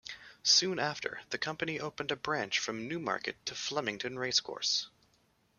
Soon after, the company opened a branch from Newmarket to Flemington Racecourse.